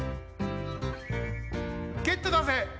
ゲットだぜ！